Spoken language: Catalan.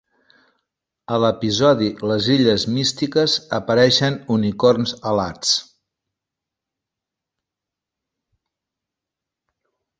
A l'episodi "Les illes místiques" apareixen unicorns alats.